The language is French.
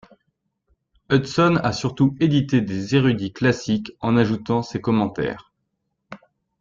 Hudson a surtout édité des érudits classiques, en ajoutant ses commentaires.